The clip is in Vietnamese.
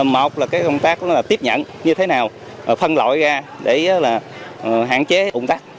một là cái công tác tiếp nhận như thế nào phân loại ra để hạn chế ủng tắc